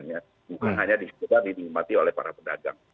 bukan hanya di sekedar didikmati oleh para pedagang